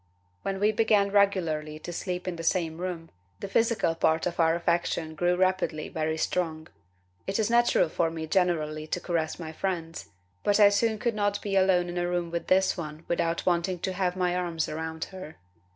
When we began regularly to sleep in the same room, the physical part of our affection grew rapidly very strong. It is natural for me generally to caress my friends, but I soon could not be alone in a room with this one without wanting to have my arms round her.